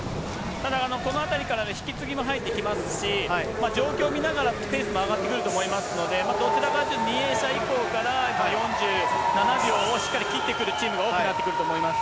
ただ、このあたりから引き継ぎも入ってきますし、状況を見ながらペースも上がってくると思いますので、どちらかというと、２泳者以降から４７秒をしっかり切ってくるチームが多くなってくると思います。